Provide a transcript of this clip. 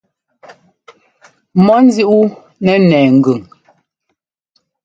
Mɔɔ nzíʼ wú nɛ́ nɛɛ ŋgʉn.